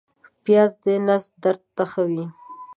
پیاز د نس درد ته ښه وي